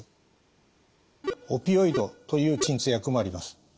オピオイドという鎮痛薬もあります。